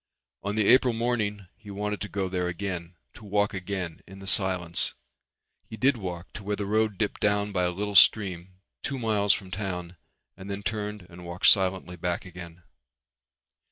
On the April morning he wanted to go there again, to walk again in the silence. He did walk to where the road dipped down by a little stream two miles from town and then turned and walked silently back again.